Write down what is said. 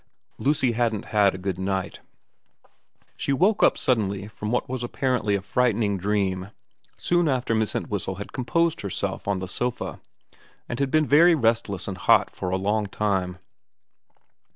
Lucy hadn't had a good night. She woke up suddenly from what was apparently a frightening dream soon after Miss Entwhistle had composed herself on the sofa, and had been very restless and hot for a long time.